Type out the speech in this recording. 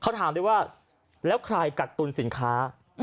เขาถามเลยว่าแล้วใครกระตุ้นสินค้า